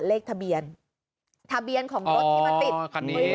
เลขทะเบียนทะเบียนของรถที่มันติดคันนี้